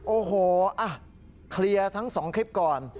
โอ้โฮอ่ะเคลียร์ทั้งสองคลิปก่อน